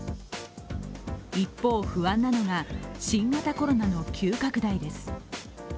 一方、不安なのが、新型コロナの急拡大です。